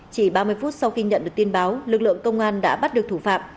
chỉ ba mươi phút sau khi nhận được tin báo lực lượng công an đã bắt được thủ phạm